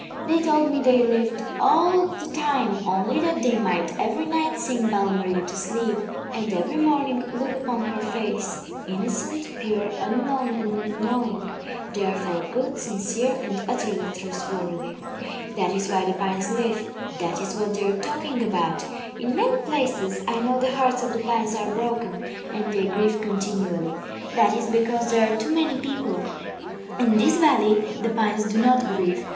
They told me they lived all the time only that they might every night sing Belle Marie to sleep, and every morning look upon her face, innocent, pure, unknown and unknowing, therefore good, sincere and utterly trustworthy. That is why the pines live. That is what they are talking about. In many places I know the hearts of the pines are broken, and they grieve continually. That is because there are too many people. In this valley the pines do not grieve.